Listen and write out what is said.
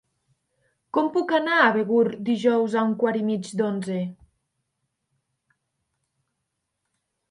Com puc anar a Begur dijous a un quart i mig d'onze?